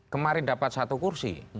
kemarin dapat satu kursi